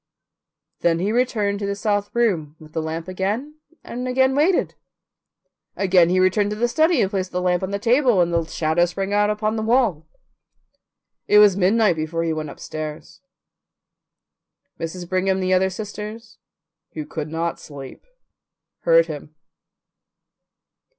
Then he returned to the south room with the lamp and again waited. Again he returned to the study and placed the lamp on the table, and the shadow sprang out upon the wall. It was midnight before he went upstairs. Mrs. Brigham and the other sisters, who could not sleep, heard him.